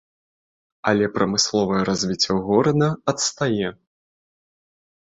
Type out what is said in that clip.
Але прамысловае развіццё горада адстае.